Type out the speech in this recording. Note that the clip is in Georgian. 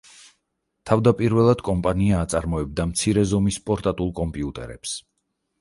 თავდაპირველად კომპანია აწარმოებდა მცირე ზომის პორტატულ კომპიუტერებს.